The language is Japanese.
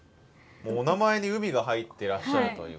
お名前に海が入ってらっしゃるという。